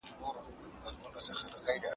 د ژبې په اړه قضاوت بايد په پوهه ولاړ وي.